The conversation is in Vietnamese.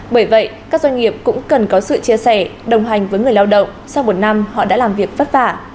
bởi vậy các doanh nghiệp cũng cần có sự chia sẻ đồng hành với người lao động sau một năm họ đã làm việc vất vả